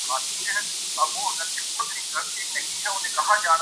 بلکہ ایک بار تو ریش مبارک بھی رکھ لی تھی